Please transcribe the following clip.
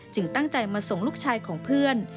ตั้งใจมาส่งลูกชายของเพื่อน